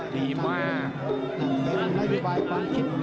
นี่คือยอดมวยแท้รักที่ตรงนี้ครับ